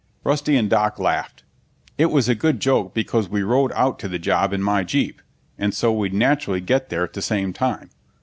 Rusty and Doc laughed. It was a good joke because we rode out to the job in my jeep, and so we'd naturally get there at the same time.